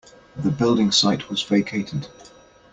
The building site was vacated.